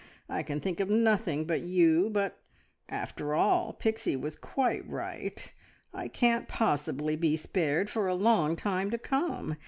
I can think of nothing but you, but, after all, Pixie was quite right I can't possibly be spared for a long time to come.